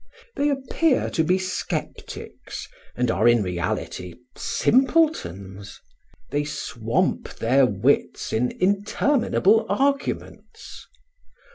They appear to be sceptics and are in reality simpletons; they swamp their wits in interminable arguments.